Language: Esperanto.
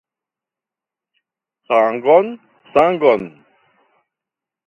Sangon, sangon.